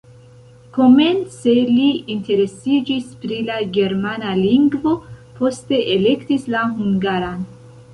Komence li interesiĝis pri la germana lingvo, poste elektis la hungaran.